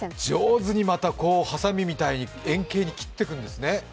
上手にはさみみたいに円形に切っていくんですね。